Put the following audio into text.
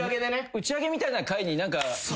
打ち上げみたいな会に何か。